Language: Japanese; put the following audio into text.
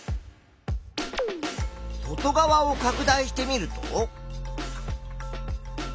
外側をかく大してみると。